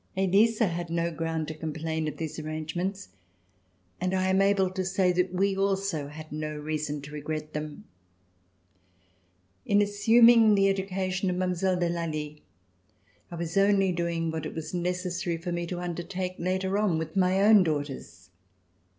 Elisa had no ground to complain of these arrangements, and I am able to say that we also had no reason to regret them. In assuming the education of Mile, de Lally, I was only doing what it was necessary for me to undertake later on with my own daughters.